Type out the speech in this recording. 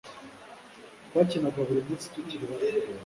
Twakinaga buri munsi tukiri bato